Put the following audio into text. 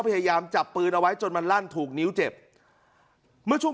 พยายามจับปืนเอาไว้จนมันลั่นถูกนิ้วเจ็บเมื่อช่วง